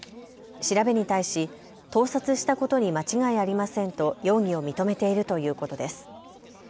調べに対し盗撮したことに間違いありませんと容疑を認めているということです。